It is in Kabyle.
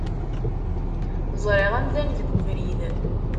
Zṛiɣ amdan deg ubrid.